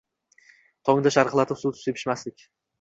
Tongda sharaqlatib suv sepishmasdik.